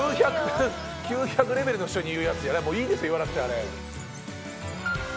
９００レベルの人に言うやつじゃないもういいです言わなくてあれ。